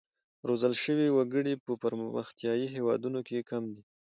روزل شوي وګړي په پرمختیايي هېوادونو کې کم دي.